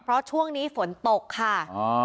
เพราะช่วงนี้ฝนตกค่ะ